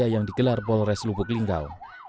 yang digelar polres lubuk linggau